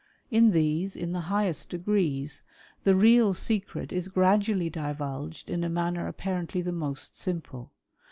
In these, in the highest degrees, the real secret is gradually divulged in a manner apparently the most simple.